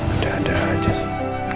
udah ada aja sih